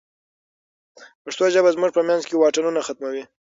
پښتو ژبه زموږ په منځ کې واټنونه ختموي.